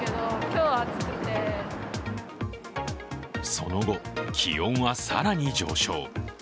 その後、気温は更に上昇。